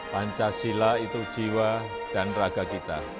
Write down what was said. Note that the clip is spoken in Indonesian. pancasila itu jiwa dan raga kita